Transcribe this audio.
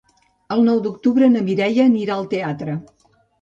El nou d'octubre na Mireia anirà al teatre.